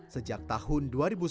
sejak tahun dua ribu sembilan belas